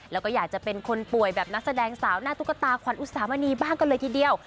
แล้วก็อยากจะเป็นคนป่วยแบบนักแสดงสาวหน้าตุ๊กตาขวัญอุสามณีบ้างกันเลยทีเดียว